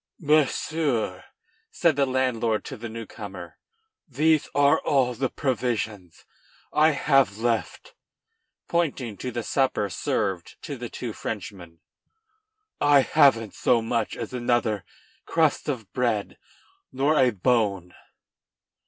"Monsieur," said the landlord to the new comer, "these are all the provisions I have left," pointing to the supper served to the two Frenchmen; "I haven't so much as another crust of bread nor a bone."